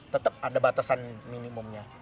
tetap ada batasan minimumnya